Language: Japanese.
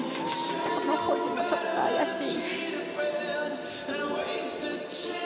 今の保持もちょっと怪しい。